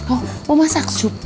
oh buat masak sup